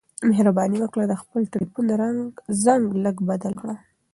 مهرباني وکړه او د خپل ټیلیفون زنګ لږ بدل کړه.